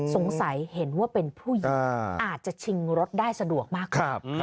สงสัยเห็นว่าเป็นผู้หญิงอาจจะชิงรถได้สะดวกมากขึ้น